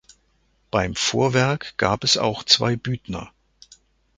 Beim Vorwerk gab es auch zwei Büdner.